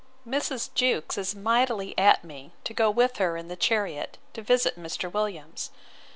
Mrs. Jewkes is mightily at me, to go with her in the chariot, to visit Mr. Williams.